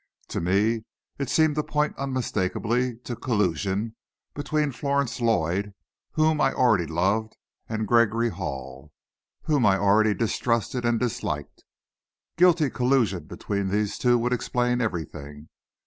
To me, it seemed to point unmistakably to collusion between Florence Lloyd, whom I already loved, and Gregory Hall, whom I already distrusted and disliked. Guilty collusion between these two would explain everything.